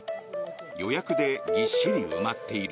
予約でぎっしり埋まっている。